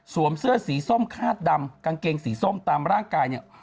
เสื้อสีส้มคาดดำกางเกงสีส้มตามร่างกายเนี่ย